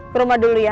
perumah dulu ya